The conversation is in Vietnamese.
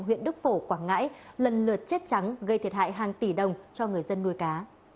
huyện đức phổ quảng ngãi lần lượt chết trắng gây thiệt hại hàng tỷ đồng cho người dân nuôi cá